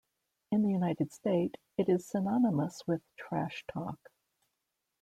In the United States, it is synonymous with "trash talk".